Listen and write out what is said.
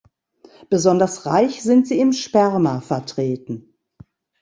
Besonders reich sind sie im Sperma vertreten.